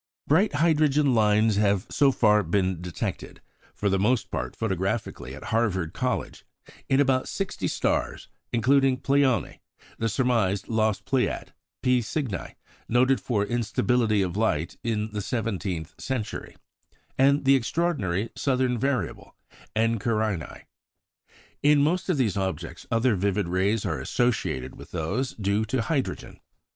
Bright hydrogen lines have so far been detected for the most part photographically at Harvard College in about sixty stars, including Pleione, the surmised lost Pleiad, P Cygni, noted for instability of light in the seventeenth century, and the extraordinary southern variable, Eta Carinæ. In most of these objects other vivid rays are associated with those due to hydrogen.